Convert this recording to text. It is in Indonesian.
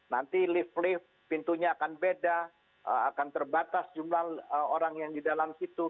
nanti lift lift pintunya akan beda akan terbatas jumlah orang yang di dalam situ